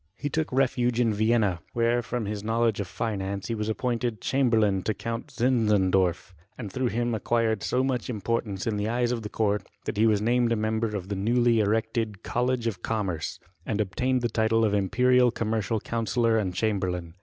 He took refuge in Vienna, where, from his knowledge of finance, he was appointed chamberlain to Count Zinzendorf, and through him acquired so much im portance in the eyes of the court, that he was named a member of the newly erected College of Commerce, and obtained the title of imperial commercial coun* sellor and chamberlain.